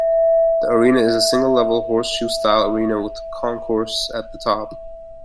The arena is a single-level, horseshoe-style arena with a concourse at the top.